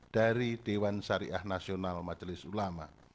dari dewan syariah nasional majelis ulama